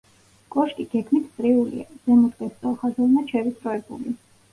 კოშკი გეგმით წრიულია, ზემოთკენ სწორხაზოვნად შევიწროებული.